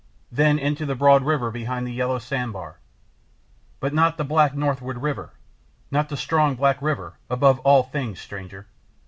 Then into the broad river behind the yellow sand bar. But not the black northward river! Not the strong, black river, above all things, stranger!